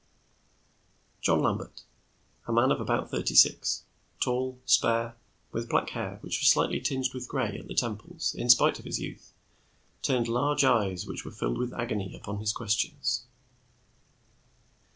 John Lambert, a man of about thirty six, tall, spare, with black hair which was slightly tinged with gray at the temples in spite of his youth, turned large eyes which were filled with agony upon his questioners.